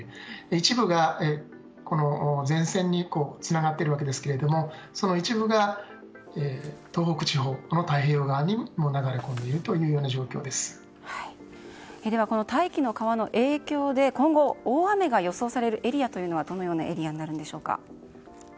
一部が前線につながっているわけですけどその一部が東北地方の太平洋側にもでは、大気の川の影響で今後大雨が予想されるエリアはどのようなエリアでしょうか。